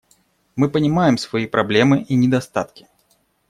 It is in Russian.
Мы понимаем свои проблемы и недостатки.